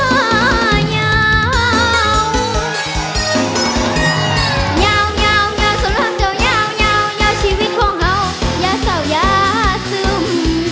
เหนียวเหนียวเหนียวสวรรค์เจ้าเหนียวเหนียวเหนียวชีวิตของเขาอย่าเศร้าอย่าซึม